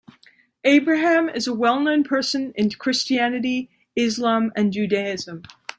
Abraham is a well known person in Christianity, Islam and Judaism.